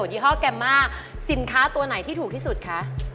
ี่ห้อแกมม่าสินค้าตัวไหนที่ถูกที่สุดคะ